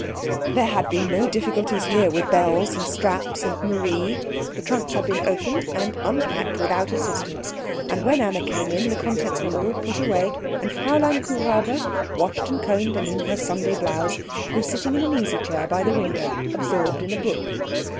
There had been no difficulties here with bells, and straps, and Marie. The trunks had been opened and unpacked without assistance; and when Anna came in the contents were all put away and Fräulein Kuhräuber, washed and combed and in her Sunday blouse, was sitting in an easy chair by the window absorbed in a book.